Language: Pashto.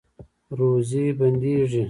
روزي بندیږي؟